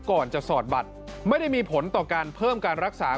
ก่อนจะสอดบัตรไม่ได้มีผลต่อการเพิ่มการรักษา